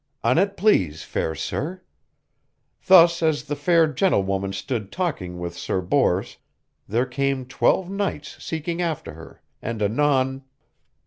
"An it please, fair sir. Thus as the fair gentlewoman stood talking with Sir Bors there came twelve knights seeking after her, and anon...."